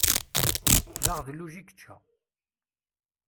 D aɣedluj i yečča.